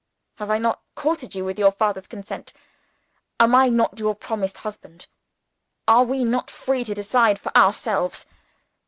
Have I not courted you with your father's consent? Am I not your promised husband? Are we not free to decide for ourselves?